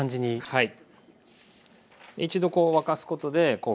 はい。